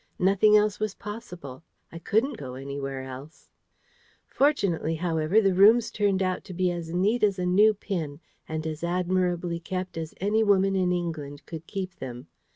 Nothing else was possible. I COULDN'T go elsewhere. Fortunately, however, the rooms turned out to be as neat as a new pin, and as admirably kept as any woman in England could keep them.